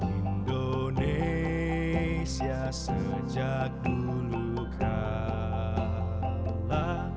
indonesia sejak dulu kala